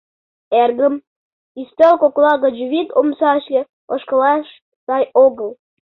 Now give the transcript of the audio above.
— Эргым, ӱстел кокла гыч вик омсашке ошкылаш сай огыл.